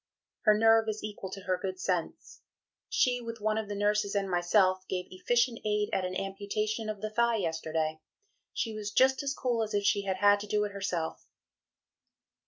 Her nerve is equal to her good sense; she, with one of the nurses and myself, gave efficient aid at an amputation of the thigh yesterday. She was just as cool as if she had had to do it herself."